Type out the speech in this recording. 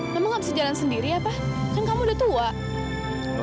sampai jumpa di video selanjutnya